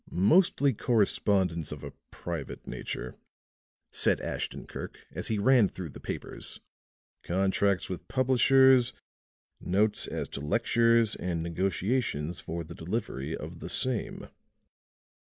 "Mostly correspondence of a private nature," said Ashton Kirk, as he ran through the papers. "Contracts with publishers, notes as to lectures, and negotiations for the delivery of the same."